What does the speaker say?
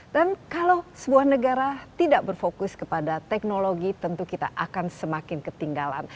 dan kalau sebuah negara tidak berfokus kepada teknologi tentu kita akan semakin ketinggalan